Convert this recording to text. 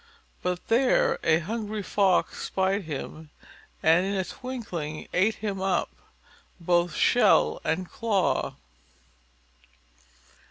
But there a hungry Fox spied him, and in a twinkling, ate him up, both shell and claw.